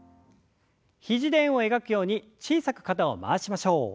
肘で円を描くように小さく肩を回しましょう。